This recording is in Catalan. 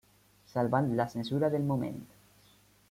Salvant la censura del moment.